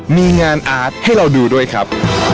มีงานอาร์ตให้เราดูด้วยครับ